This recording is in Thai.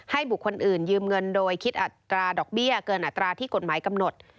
บุคคลอื่นยืมเงินโดยคิดอัตราดอกเบี้ยเกินอัตราที่กฎหมายกำหนด